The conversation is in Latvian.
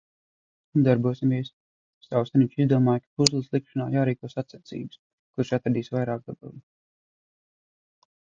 Un darbosimies. Saulstariņš izdomāja, ka puzzles likšanā jārīko sacensības, kurš atradīs vairāk gabaliņu.